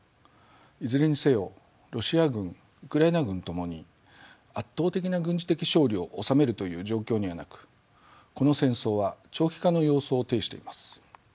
いずれにせよロシア軍ウクライナ軍共に圧倒的な軍事的勝利を収めるという状況にはなくこの戦争は長期化の様相を呈しています。